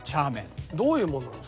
どういうものなの？